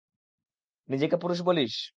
নিজেকে পুরুষ বলিস?